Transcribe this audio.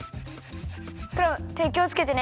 クラムてきをつけてね。